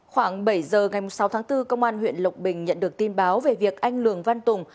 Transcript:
khoảng bảy giờ ngày sáu tháng bốn công an huyện lộc bình nhận được tin báo về việc anh lường văn tùng